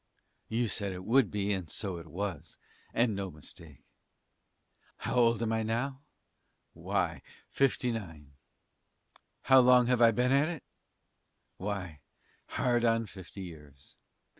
You said it would be, and so it was, and no mistake. How old am I now? Why, 59. How long have I been at it? Why, hard on fifty years.